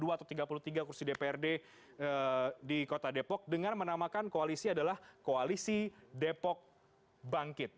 dua atau tiga puluh tiga kursi dprd di kota depok dengan menamakan koalisi adalah koalisi depok bangkit